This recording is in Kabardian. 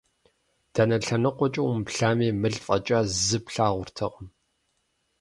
Дэнэ лъэныкъуэкӀэ умыплъами, мыл фӀэкӀа зы плъагъуртэкъым.